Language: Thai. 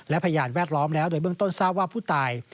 และพยานแวดล้อมแล้วโดยเบื้องต้นทราบว่าผู้ตาย